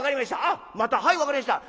あっまたはい分かりました。